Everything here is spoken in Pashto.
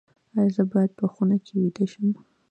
ایا زه باید په خونه کې ویده شم؟